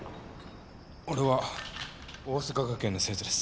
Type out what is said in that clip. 俺は桜咲学園の生徒です。